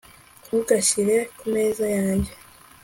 ntugashyire kumeza yanjye